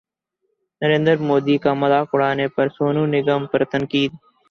نریندر مودی کا مذاق اڑانے پر سونو نگم پر تنقید